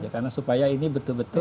karena supaya ini betul betul